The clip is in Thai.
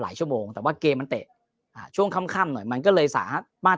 ชั่วโมงแต่ว่าเกมมันเตะอ่าช่วงค่ำค่ำหน่อยมันก็เลยสามารถ